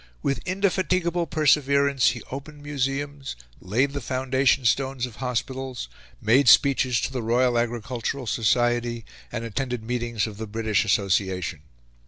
With indefatigable perseverance he opened museums, laid the foundation stones of hospitals, made speeches to the Royal Agricultural Society, and attended meetings of the British Association.